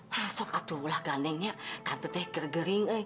masuk atuh lah ganteng